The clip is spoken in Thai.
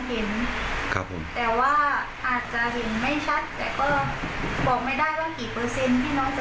แต่ก็จะเห็นกว่าตอนนี้เพราะตอนนี้มองไม่เห็น